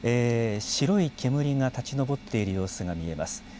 白い煙が立ち上っている様子が見えます。